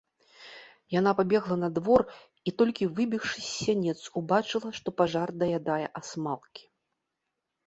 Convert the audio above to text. Яна пабегла на двор і, толькі выбегшы з сянец, убачыла, што пажар даядае асмалкі.